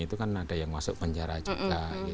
itu kan ada yang masuk penjara juga